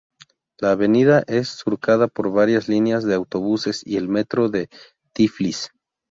La avenida es surcada por varias líneas de autobuses y el metro de Tiflis.